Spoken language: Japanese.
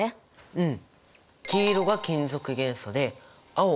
うん。